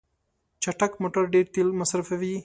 چټک موټر ډیر تېل مصرفوي.